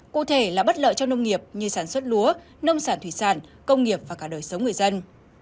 cụ thể là bất lợi cho nông nghiệp như sản xuất lúa nông sản thủy sản công nghiệp và cả đời sống người dân